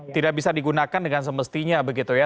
tidak bisa digunakan dengan semestinya begitu ya